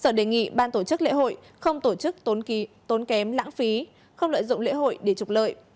sở đề nghị ban tổ chức lễ hội không tổ chức tổn kém lãng phí không lợi dụng lễ hội để trục lợi